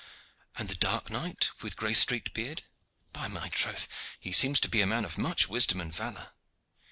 "And the dark knight with gray streaked beard? By my troth, he seems to be a man of much wisdom and valor."